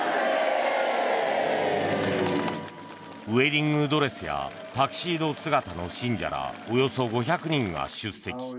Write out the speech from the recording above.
ウェディングドレスやタキシード姿の信者らおよそ５００人が出席。